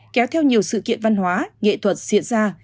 kéo theo nhiều sự kiện văn hóa nghệ thuật diễn ra